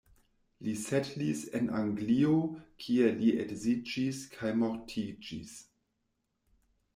Li setlis en Anglio, kie li edziĝis kaj mortiĝis.